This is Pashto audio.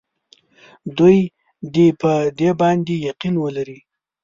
دوی دې په دې باندې یقین ولري.